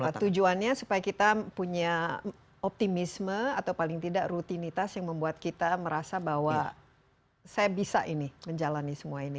nah tujuannya supaya kita punya optimisme atau paling tidak rutinitas yang membuat kita merasa bahwa saya bisa ini menjalani semua ini